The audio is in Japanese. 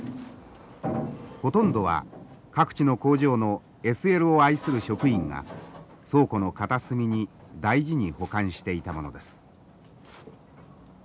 ほとんどは各地の工場のＳＬを愛する職員が倉庫の片隅に大事に保管していたものです。